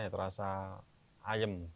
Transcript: ya terasa ayam